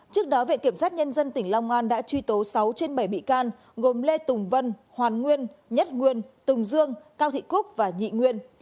trước đó viện kiểm sát nhân dân tỉnh long an đã truy tố sáu trên bảy bị can gồm lê tùng vân hoàn nguyên nhất nguyên tùng dương cao thị cúc và nhị nguyên